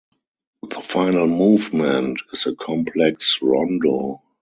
The final movement is a complex rondo.